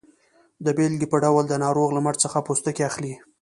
د بیلګې په ډول د ناروغ له مټ څخه پوستکی اخلي.